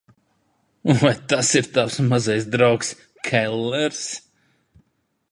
Vai tas ir tavs mazais draugs Kellers?